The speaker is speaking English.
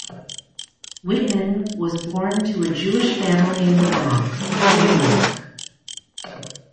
Whitman was born to a Jewish family in the Bronx, New York.